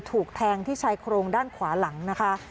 ถูกแทงที่ชายโครงด้านขวาหลังนะคะ